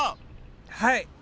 はい。